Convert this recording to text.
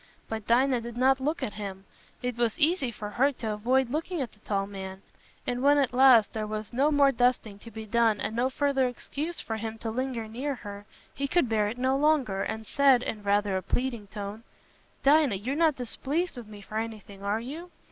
But Dinah did not look at him—it was easy for her to avoid looking at the tall man—and when at last there was no more dusting to be done and no further excuse for him to linger near her, he could bear it no longer, and said, in rather a pleading tone, "Dinah, you're not displeased with me for anything, are you?